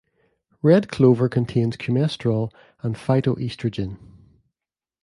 Red clover contains coumestrol, a phytoestrogen.